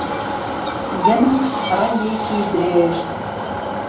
گەنم ڕەنگێکی درێژ